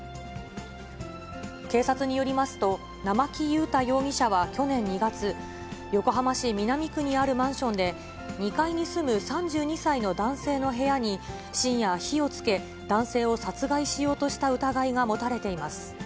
警察によりますと、生木裕太容疑者は去年２月、横浜市南区にあるマンションで、２階に住む３２歳の男性の部屋に、深夜、火をつけ、男性を殺害しようとした疑いが持たれています。